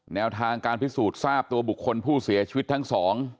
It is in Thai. แนวทางการพิสูจน์ทราบตัวบุคคลผู้เสียชีวิตทั้งสอง